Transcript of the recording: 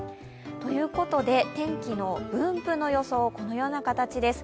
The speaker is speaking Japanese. ということで天気の分布の予想、このような形です。